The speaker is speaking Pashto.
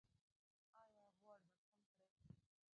ایا غوړ به کم کړئ؟